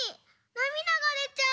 なみだがでちゃう。